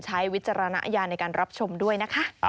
วิจารณญาณในการรับชมด้วยนะคะ